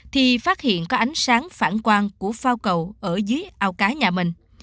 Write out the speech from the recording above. thì phát hiện có ánh sáng phản quan của phao cầu ở dưới ao cá nhà mình